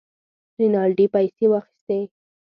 رینالډي پیسې واخیستې.